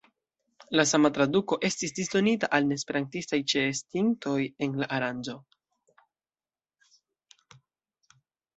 La sama traduko estis disdonita al neesperantistaj ĉeestintoj en la aranĝo.